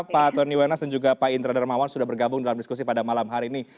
pak tony wenas dan juga pak indra darmawan sudah bergabung dalam diskusi pada malam hari ini